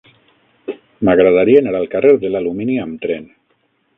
M'agradaria anar al carrer de l'Alumini amb tren.